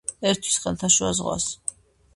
ერთვის ხმელთაშუა ზღვას.